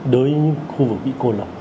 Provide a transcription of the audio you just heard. đối với những khu vực bị cô lọc